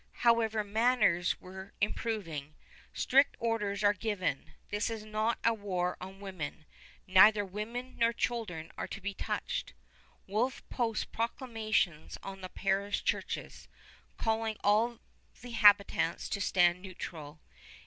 However, manners were improving. Strict orders are given: this is not a war on women; neither women nor children are to be touched. Wolfe posts proclamations on the parish churches, calling on the habitants to stand neutral.